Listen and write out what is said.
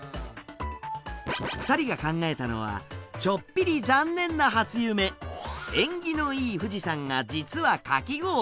２人が考えたのはちょっぴり縁起のいい富士山が実はかき氷。